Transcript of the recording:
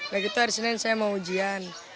nah itu hari senin saya mau ujian